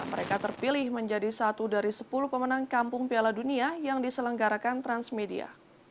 mereka terpilih menjadi satu dari sepuluh pemenang kampung piala dunia yang diselenggarakan transmedia